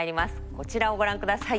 こちらをご覧ください。